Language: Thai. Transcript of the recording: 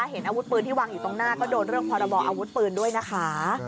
เห็นอาวุธปืนที่วางอยู่ตรงหน้าก็โดนเรื่องพรบออาวุธปืนด้วยนะคะ